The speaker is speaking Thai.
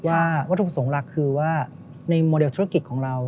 ว่าวัตถุประสงค์หลักคือว่าในโมเดลธุรกิจของเรา